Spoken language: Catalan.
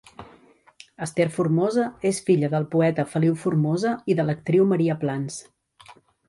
Ester Formosa és filla del poeta Feliu Formosa i de l'actriu Maria Plans.